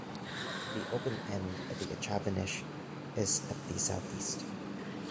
The open end at Achavanich is at the south-east.